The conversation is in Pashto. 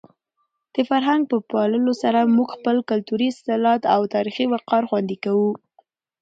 د فرهنګ په پاللو سره موږ خپل کلتوري اصالت او تاریخي وقار خوندي کوو.